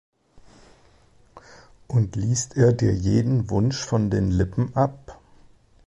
Und liest er dir jeden Wunsch von den Lippen ab?